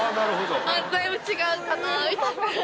だいぶ違うかなみたいな。